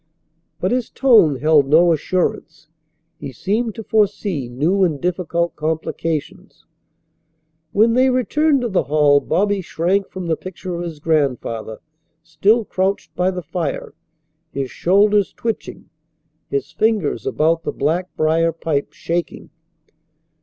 But his tone held no assurance. He seemed to foresee new and difficult complications. When they returned to the hall Bobby shrank from the picture of his grandfather still crouched by the fire, his shoulders twitching, his fingers about the black briar pipe shaking.